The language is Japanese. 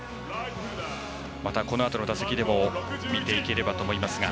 また、このあとの打席でも見ていければと思います。